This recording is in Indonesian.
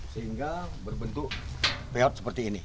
sehingga berbentuk payout seperti ini